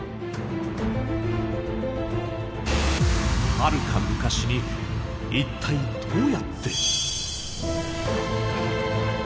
はるか昔に一体どうやって。